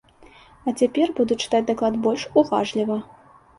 А цяпер буду чытаць даклад больш уважліва.